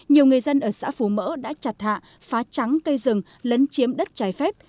nhiều người dân ở xã phú mỡ đã chặt hạ phá trắng cây rừng lấn chiếm đất trái phép